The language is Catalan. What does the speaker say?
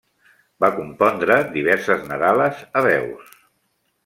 Va compondre diverses nadales a veus.